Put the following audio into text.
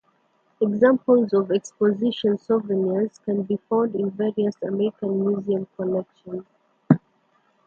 Examples of exposition souvenirs can be found in various American museum collections.